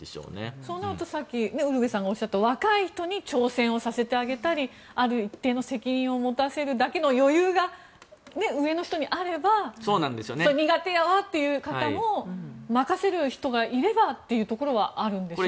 そうなるとさっきウルヴェさんがおっしゃった若い人に挑戦をさせてあげたりある一定の責任を持たせるだけの余裕が上の人にあれば苦手やわっていう方も任せる人がいればっていうところはあるんでしょうかね。